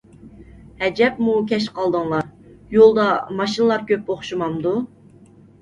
ھەجەپمۇ كەچ قالدىڭلار، يولدا ماشىنىلار كۆپ ئوخشىمامدۇ ؟